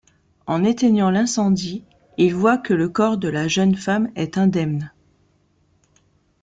En éteignant l'incendie, ils voient que le corps de la jeune femme est indemne.